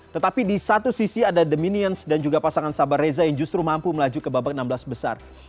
tetapi di satu sisi ada the minions dan juga pasangan sabah reza yang justru mampu melaju ke babak enam belas besar